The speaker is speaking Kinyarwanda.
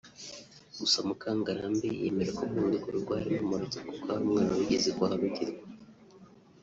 Gusa Mukangarambe yemera ko muri urwo rugo harimo amarozi kuko hari umwana wigeze kuharogerwa